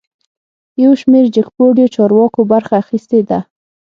یوشمیر جګپوړیو چارواکو برخه اخیستې ده